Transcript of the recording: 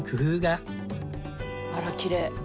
あらきれい！